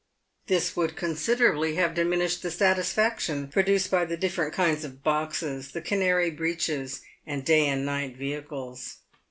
This would considerably have diminished the satisfaction produced by the different kinds of boxes, the canary breeches, and day and night vehicles.